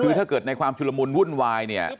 คือถ้าเกิดในความชุลมุนวุ่นวายเนี่ย